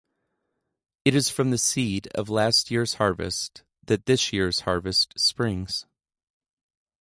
It is from the seed of last year's harvest that this year's harvest springs.